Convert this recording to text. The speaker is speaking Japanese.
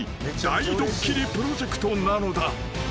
［大ドッキリプロジェクトなのだ］